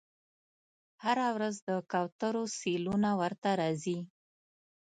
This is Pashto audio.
هره ورځ د کوترو سیلونه ورته راځي